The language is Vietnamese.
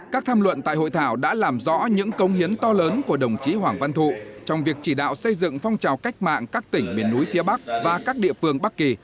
các tham luận tại hội thảo đã làm rõ những công hiến to lớn của đồng chí hoàng văn thụ trong việc chỉ đạo xây dựng phong trào cách mạng các tỉnh miền núi phía bắc và các địa phương bắc kỳ